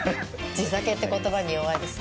「地酒」って言葉に弱いです。